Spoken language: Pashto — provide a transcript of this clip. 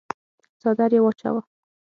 څادر يې واچاوه.